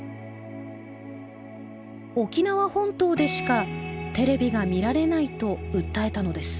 沖縄本島でしかテレビが見られないと訴えたのです。